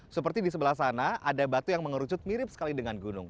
seperti di sebelah sana ada batu yang mengerucut mirip sekali dengan gunung